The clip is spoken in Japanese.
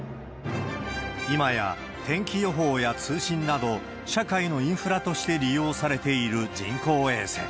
今や、天気予報や通信など、社会のインフラとして利用されている人工衛星。